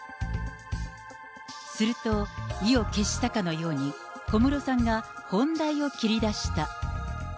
すると、意を決したかのように、小室さんが本題を切り出した。